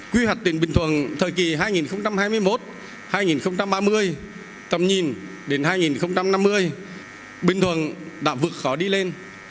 quy hoạch tỉnh bình thuận thời kỳ hai nghìn hai mươi một hai nghìn ba mươi tầm nhìn đến hai nghìn năm mươi bình thuận đã vượt khó đi lên